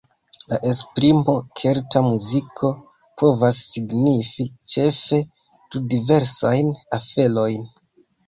La esprimo "Kelta muziko" povas signifi ĉefe du diversajn aferojn.